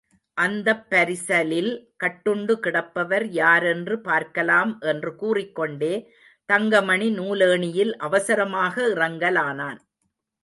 அந்தப் பரிசலில் கட்டுண்டு கிடப்பவர் யாரென்று பார்க்கலாம் என்று கூறிக்கொண்டே தங்கமணி நூலேணியில் அவசரமாக இறங்கலானான்.